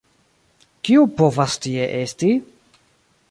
kiu povas tie esti?